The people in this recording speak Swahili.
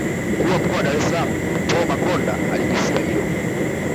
Mkuu wa Mkoa wa Dar es salaam Paul Makonda aligusia hilo